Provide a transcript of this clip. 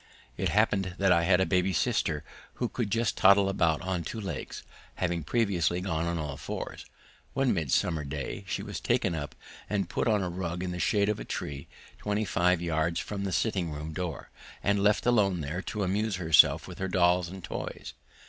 It happened that I had a baby sister who could just toddle about on two legs, having previously gone on all fours. One midsummer day she was taken up and put on a rug in the shade of a tree, twenty five yards from the sitting room door, and left alone there to amuse herself with her dolls and toys.